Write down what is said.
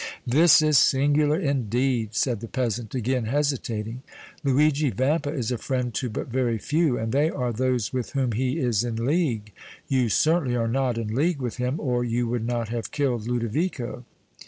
"This is singular, indeed," said the peasant, again hesitating. "Luigi Vampa is a friend to but very few, and they are those with whom he is in league. You certainly are not in league with him, or you would not have killed Ludovico!"